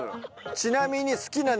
ちなみに。